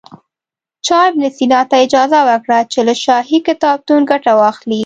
چا ابن سینا ته اجازه ورکړه چې له شاهي کتابتون ګټه واخلي.